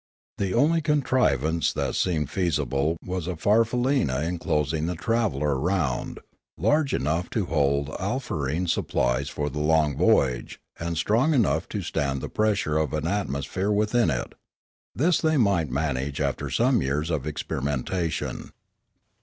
The only contrivance that seemed feasible was a faffaleena enclosing the traveller round, large enough to hold alfarene supplies for the long voyage, and strong enough to stand the pressure of an atmosphere within it. This they might manage after some years of ex perimentation.